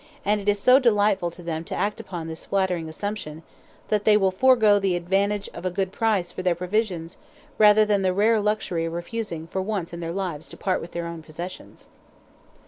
and it is so delightful to them to act upon this flattering assumption, that they will forego the advantage of a good price for their provisions rather than the rare luxury of refusing for once in their lives to part with their own possessions.